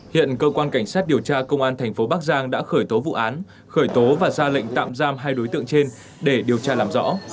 hiện cơ quan cảnh sát điều tra công an thành phố bắc giang đã khởi tố vụ án khởi tố và ra lệnh tạm giam hai đối tượng trên để điều tra làm rõ